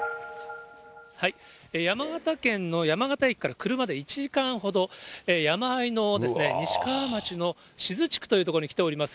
山形県の山形駅から車で１時間ほど、山あいの西川町の志津地区という所に来ております。